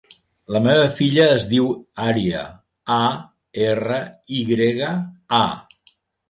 La meva filla es diu Arya: a, erra, i grega, a.